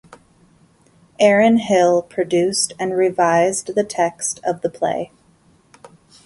Aaron Hill produced and revised the text of the play.